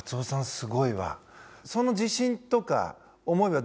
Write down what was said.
すごいわ。